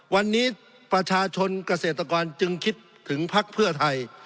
วันนี้ประชาชนเกษตรกรจึงคิดถึงพักเพื่อไทย